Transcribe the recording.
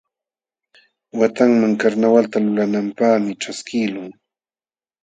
Watanman karnawalta lulananpaqmi ćhaskiqlun.